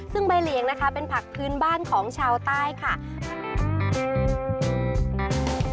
ซึ่งใบเหลียงนะคะเป็นผักพื้นบ้านของชาวใต้ค่ะ